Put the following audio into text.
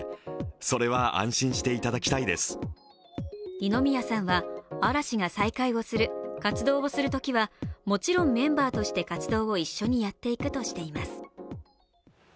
二宮さんは、嵐が再開をする、活動をするときはもちろんメンバーとして活動を一緒にやっていくとしています。